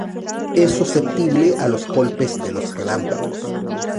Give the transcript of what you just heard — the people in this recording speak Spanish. Es susceptible a los golpes de los relámpagos.